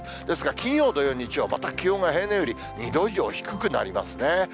ですが、金曜、土曜、日曜、また気温が平年より２度以上低くなりますね。